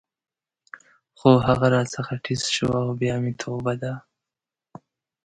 خو هغه راڅخه ټیز شو او بیا مې توبه ده.